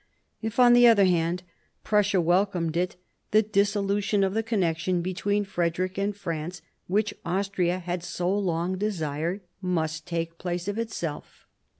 If, on the other hand, Prussia welcomed it, the dissolution of the connection between Frederick and France, which Austria had so long desired, must take place of itself.